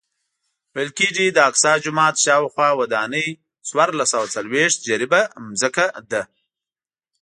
ویل کېږي د اقصی جومات شاوخوا ودانۍ څوارلس سوه څلوېښت جریبه ځمکه ده.